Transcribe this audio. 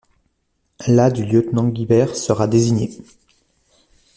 La du lieutenant Guibert sera désignée.